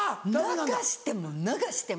流しても流してももう。